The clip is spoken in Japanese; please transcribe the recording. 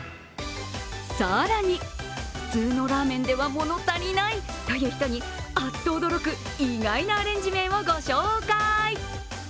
更に、不通のラーメンでは物足りないという人にあっと驚く意外なアレンジ麺を御紹介。